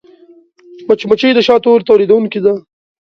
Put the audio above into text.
مچمچۍ د شاتو تولیدوونکې ده